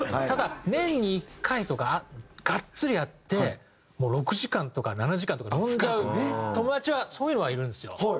ただ年に１回とかガッツリ会ってもう６時間とか７時間とか飲んじゃう友達はそういうのはいるんですよ。